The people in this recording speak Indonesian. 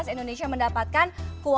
indonesia mendapatkan kuota